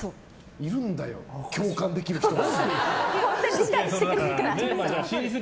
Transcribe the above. いるんだよ、共感できる人が。